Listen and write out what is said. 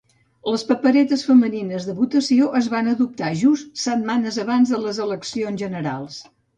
Les paperetes femenines de votació es van adoptar just setmanes abans de les eleccions generals.